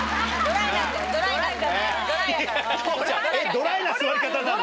ドライな座り方なの？